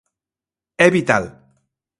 É vital.